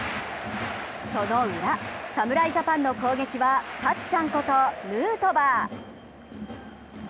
そのウラ、侍ジャパンの攻撃はたっちゃんことヌートバー。